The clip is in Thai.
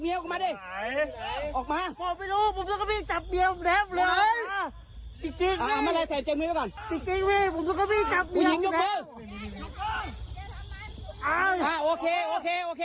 เมียมึงอยู่ไหน